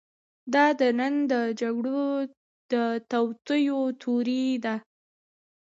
دا د نن د جګړو د توطیو تیوري ده.